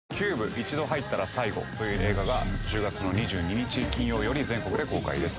一度入ったら、最後」という映画が１０月の２２日金曜より全国で公開です